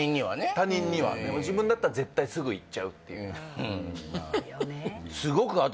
他人には自分だったら絶対すぐいっちゃうっていうえっ